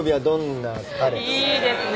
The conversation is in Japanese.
いいですね。